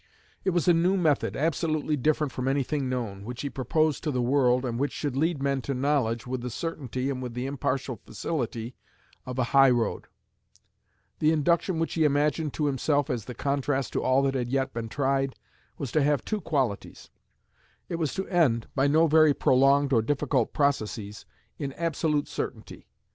It was a new method, absolutely different from anything known, which he proposed to the world, and which should lead men to knowledge, with the certainty and with the impartial facility of a high road. The Induction which he imagined to himself as the contrast to all that had yet been tried was to have two qualities. It was to end, by no very prolonged or difficult processes, in absolute certainty.